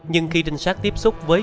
nhưng khi trinh sát tiếp xúc với